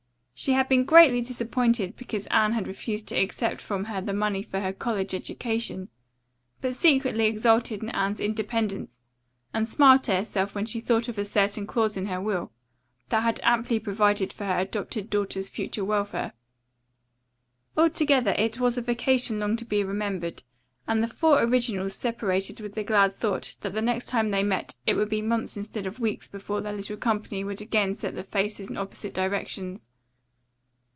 She had been greatly disappointed because Anne had refused to accept from her the money for her college education, but secretly exulted in Anne's independence and smiled to herself when she thought of a certain clause in her will that had amply provided for her adopted daughter's future welfare. Altogether it was a vacation long to be remembered, and the four originals separated with the glad thought that the next time they met it would be months instead of weeks before their little company would again set their faces in opposite directions.